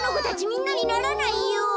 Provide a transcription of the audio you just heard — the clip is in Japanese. みんなにならないよ。